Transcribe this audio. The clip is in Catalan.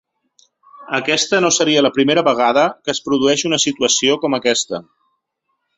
Aquesta no seria la primera vegada que es produeix una situació com aquesta.